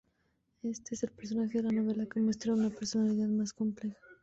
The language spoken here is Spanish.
Este es el personaje de la novela que muestra una personalidad más compleja.